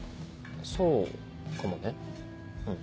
そうかもねうん。